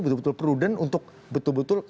betul betul prudent untuk betul betul